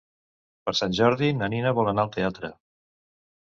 Per Sant Jordi na Nina vol anar al teatre.